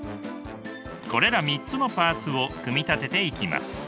これら３つのパーツを組み立てていきます。